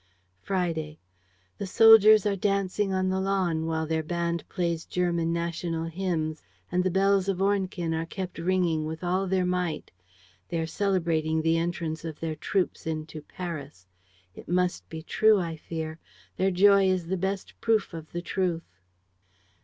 "Friday. "The soldiers are dancing on the lawn, while their band plays German national hymns and the bells of Ornequin are kept ringing with all their might. They are celebrating the entrance of their troops into Paris. It must be true, I fear! Their joy is the best proof of the truth.